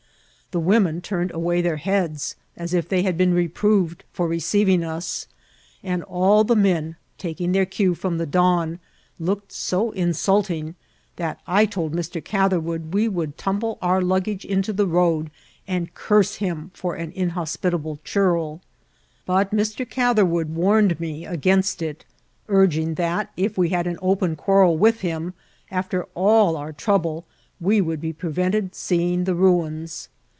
The women turned away their heads, as if they had been reproved for receiving us ; and all the men, taking their cue from 04 IKCIDBNTS OP TEATBL. the don, looked so insulting, that I told Mr. Catherwood we would tumble our luggage into the road, and curse him for an inhospitable churl ; but Mr. Catherwood warned me against it, urging that, if we had an cfpen quarrel with him, alter all our trouble we would be {nre* Tented seeing the ruins.